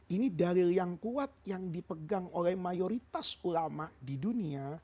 ini dalil yang kuat yang dipegang oleh mayoritas ulama di dunia